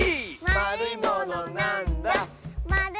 「まるいものなんだ？」